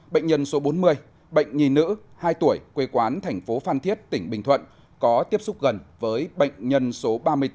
bệnh nhân số bốn mươi bệnh nhi nữ hai tuổi quê quán thành phố phan thiết tỉnh bình thuận có tiếp xúc gần với bệnh nhân số ba mươi bốn